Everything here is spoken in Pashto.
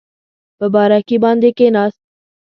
په بارکي باندې کېناست.